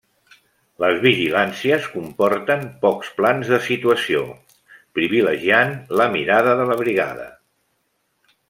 Les vigilàncies comporten pocs plans de situació, privilegiant la mirada de la brigada.